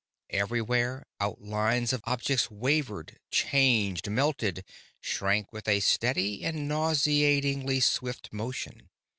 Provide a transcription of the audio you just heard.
Everywhere outlines of objects wavered, changed melted, shrank with a steady and nauseatingly swift motion.